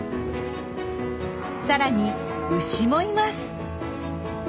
さらに牛もいます！